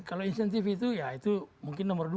kalau insentif itu ya itu mungkin nomor dua